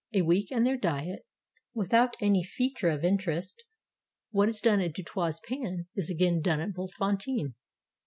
a week and their diet without any fea ture of interest. What is done at Du Toit's Pan is again done at Bultfontein.